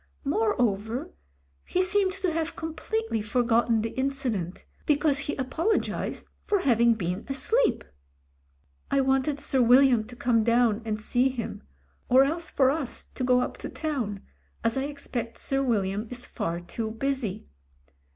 Moreover, he seemed to have completely forgotten the incident, because he apologised for having been asleep. "I wanted Sir William to come down and see him ; or else for us to go up to town, as I expect Sir Wil liam is far too busy.